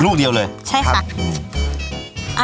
ลูกเดียวเลยใช่ค่ะอ่ามใช่ค่ะ